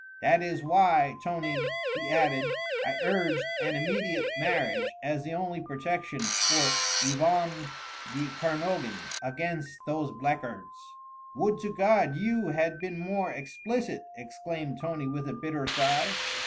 That is why, Tony," he added, "I urged an immediate marriage as the only real protection for Yvonne de Kernogan against those blackguards." "Would to God you had been more explicit!" exclaimed Tony with a bitter sigh.